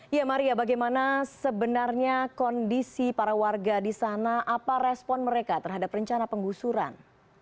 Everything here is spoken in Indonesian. ya maria bagaimana sebenarnya kondisi para warga di sana apa respon mereka terhadap rencana penggusuran